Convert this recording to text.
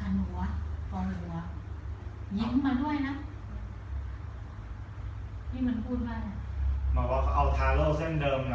กันหัวฟองหัวยิ้มมาด้วยนะนี่มันพูดอะไรหมอบอกเขาเอาทาเล่าเส้นเดิมน่ะ